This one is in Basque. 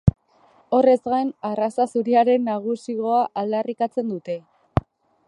Horrez gain, arraza zuriaren nagusigoa aldarrikatzen dute.